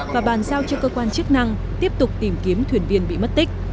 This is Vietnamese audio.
và bàn giao cho cơ quan chức năng tiếp tục tìm kiếm thuyền viên bị mất tích